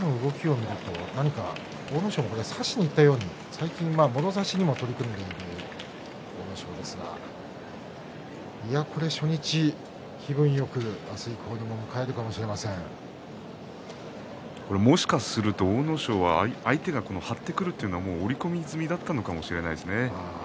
阿武咲が差しにいったような、最近はもろ差しにも取り組んでいるということですがこれで初日、気分よく明日以降をもしかすると阿武咲は相手が張ってくるということは、織り込み済みだったかもしれませんね。